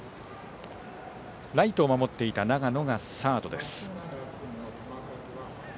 ライトを守っていた永野がサードです。